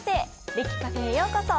歴Ｃａｆｅへようこそ。